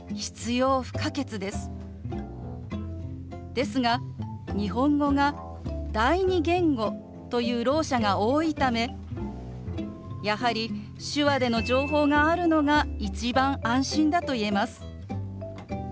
ですが日本語が第二言語というろう者が多いためやはり手話での情報があるのが一番安心だと言えます。